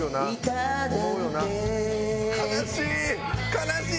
悲しい！